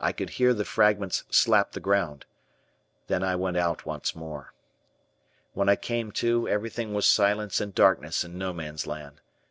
I could hear the fragments slap the ground. Then I went out once more. When I came to, everything was silence and darkness in No Man's Land.